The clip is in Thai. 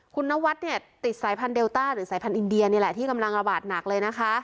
คุณนวัดเนี่ยติดสายพันธุเดลต้าหรือสายพันธ์อินเดียนี่แหละที่กำลังระบาดหนักเลยนะคะ